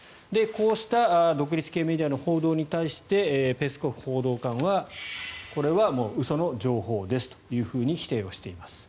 こうした独立系メディアの報道に対してペスコフ報道官はこれは嘘の情報ですと否定しています。